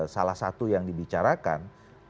salah satu yang dibicarakan